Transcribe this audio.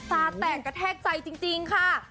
ตาแตกกระแทกใจจริงค่ะ